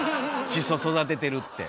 シソ育ててるって。